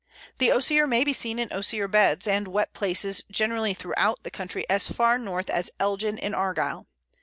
The Osier may be seen in Osier beds and wet places generally throughout the country as far north as Elgin and Argyll.